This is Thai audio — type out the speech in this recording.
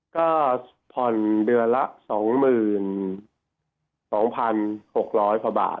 ก็ผ่อนเดือนละ๒๒๖๐๐กว่าบาท